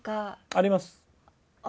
あります。